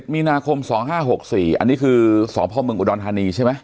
มีนาคม๒๕๖๔อันนี้คือสพมอุดรธานีใช่ไหม